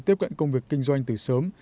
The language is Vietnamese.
tiếp cận công việc kinh doanh từ sớm